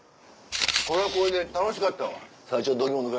これはこれで楽しかったわ。